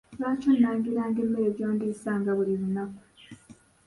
Lwaki onnangiranga emmere gy'ondiisanga buli lunaku?